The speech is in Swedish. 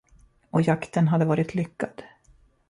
Och jakten hade varit lyckad.